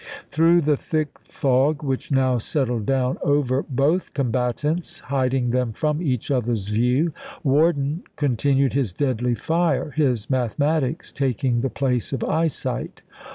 Through the thick fog which now settled down over both combatants, hiding them from each other's view, Worden con tinued his deadly fire, his mathematics taking the place of eyesight.